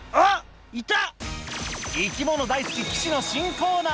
あっ、いた！